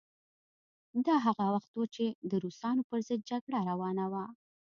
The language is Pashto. دا هغه وخت و چې د روسانو پر ضد جګړه روانه وه.